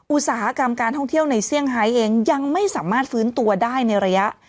อุตสาหกรรมการท่องเที่ยวในเซี่ยงไฮเองยังไม่สามารถฟื้นตัวได้ในระยะ